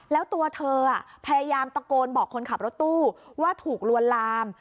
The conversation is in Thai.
แล้วตัวเธอพยายามตะโกนบอกคนขับรถตู้ว่าถูกลวนลาม